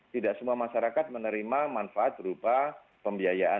tidak semua masyarakat menerima manfaat berupa pembiayaan